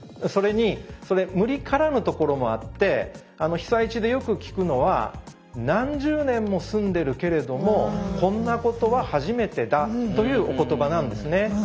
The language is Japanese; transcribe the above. それにそれ無理からぬところもあって被災地でよく聞くのは何十年も住んでるけれどもこんなことは初めてだというお言葉なんですね。